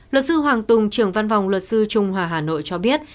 luật sư hoàng tùng trưởng văn phòng luật sư trung hòa hà nội cho biết